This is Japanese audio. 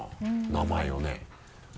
名前をね。